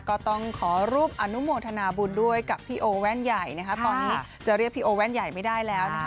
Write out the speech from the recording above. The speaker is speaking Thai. ก็ต้องขอรูปอนุโมทนาบุญด้วยกับพี่โอแว่นใหญ่นะคะตอนนี้จะเรียกพี่โอแว่นใหญ่ไม่ได้แล้วนะคะ